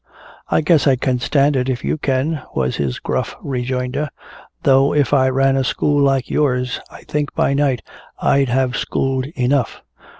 "I guess I can stand it if you can," was his gruff rejoinder, "though if I ran a school like yours I think by night I'd have schooled enough.